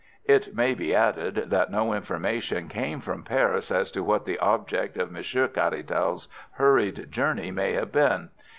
It may be added that no information came from Paris as to what the objects of Monsieur Caratal's hurried journey may have been.